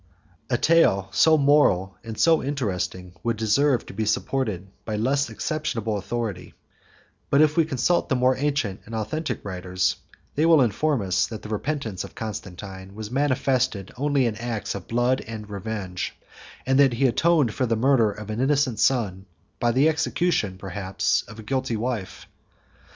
21 A tale so moral and so interesting would deserve to be supported by less exceptionable authority; but if we consult the more ancient and authentic writers, they will inform us, that the repentance of Constantine was manifested only in acts of blood and revenge; and that he atoned for the murder of an innocent son, by the execution, perhaps, of a guilty wife.